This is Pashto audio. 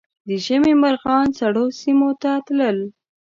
د ژمي مرغان سړو سیمو ته تلل